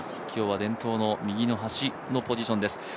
今日は伝統の右の端のポジションです。